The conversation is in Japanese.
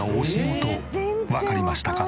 わかりましたか？